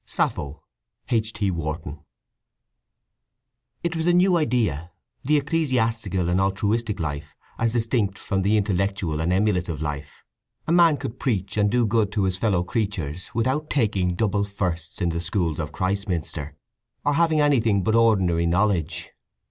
_ —SAPPHO (H. T. Wharton). I It was a new idea—the ecclesiastical and altruistic life as distinct from the intellectual and emulative life. A man could preach and do good to his fellow creatures without taking double firsts in the schools of Christminster, or having anything but ordinary knowledge.